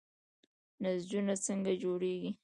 نسجونه څنګه جوړیږي؟